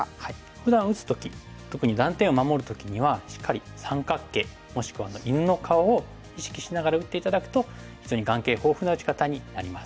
ふだん打つ時特に断点を守る時にはしっかり三角形もしくは犬の顔を意識しながら打って頂くと非常に眼形豊富な打ち方になります。